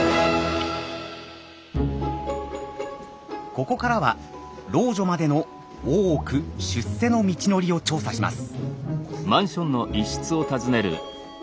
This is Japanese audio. ここからは老女までの大奥出世の道のりを調査します。